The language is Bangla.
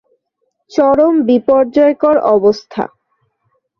চরম বিপর্যয়কর অবস্থা।